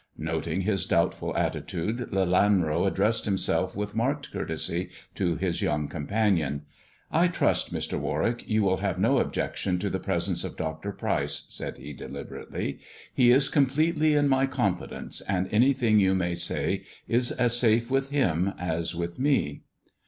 Noting s doubtful attitude, Lelanro addressed himself with arked courtesy to his young companion. " I trust, Mr. Warwick, you will have no objection to e presence of Dr. Pryce," said he deliberately ; "he is mpletely in my confidence, and anything you may say is safe with him as with me."